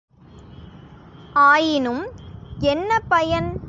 ஆயினும் என்ன பயன்?